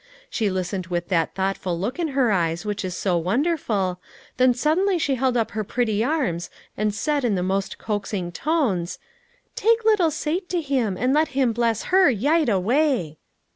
She listened with that thoughtful look in her eyes which is so wonderful, then suddenly she held up her pretty arms and said in the most coaxing tones :" c Take little Sate to Him, and let Him bless her, yight away.'